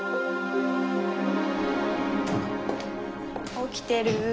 起きてる？